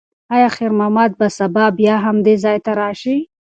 ایا خیر محمد به سبا بیا همدې ځای ته راشي؟